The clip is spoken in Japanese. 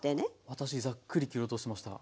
私ざっくり切り落としてました。